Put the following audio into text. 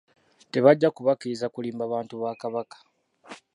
Tebajja kubakkiriza kulimba bantu ba Kabaka